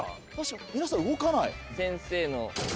皆さん動かない。